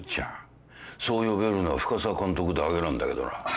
そう呼べるのは深沢監督だけなんだけどな